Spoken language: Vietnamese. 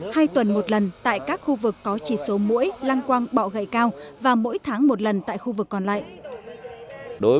hai tuần một lần tại các khu vực có chỉ số mũi lăng quang bọ gậy cao và mỗi tháng một lần tại khu vực còn lại